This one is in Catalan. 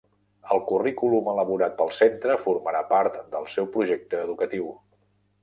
El currículum elaborat pel centre formarà part del seu projecte educatiu.